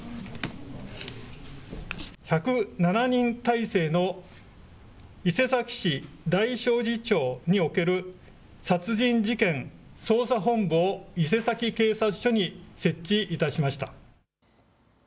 １０７人体制の伊勢崎市大正寺町における殺人事件捜査本部を伊勢崎警察署に設置いたしました。